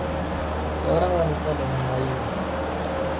Seorang wanita dengan dayung.